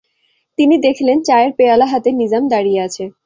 তিনি দেখলেন, চায়ের পেয়ালা হাতে নিজাম দাঁড়িয়ে আছে।